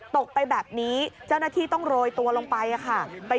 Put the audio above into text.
ตกไปแบบนี้เจ้าหน้าที่ต้องโรยตัวลงไปค่ะ